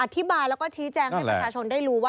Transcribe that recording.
อธิบายแล้วก็ชี้แจงให้ประชาชนได้รู้ว่า